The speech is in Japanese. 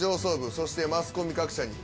そしてマスコミ各社に